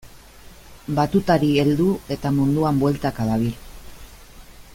Batutari heldu eta munduan bueltaka dabil.